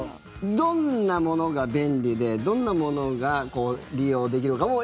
どんなものが便利でどんなものが利用できるかも。